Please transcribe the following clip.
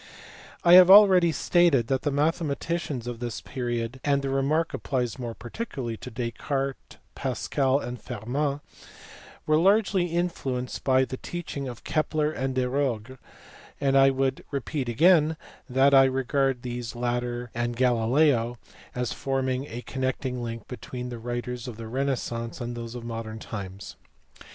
I have already stated that the mathematicians of this period and the remark applies more particularly to Descartes, Pascal, and Fermat were largely influenced by the teaching of Kepler and Desargues, and I would repeat again that I regard these latter and Galileo as forming a connecting link between the writers of the renaissance and those of modern times.